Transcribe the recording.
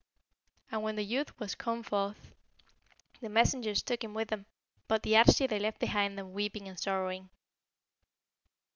"And when the youth was come forth, the messengers took him with them; but the Arschi they left behind them weeping and sorrowing.